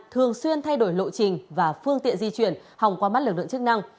thường xuyên thay đổi lộ trình và phương tiện di chuyển hòng qua mắt lực lượng chức năng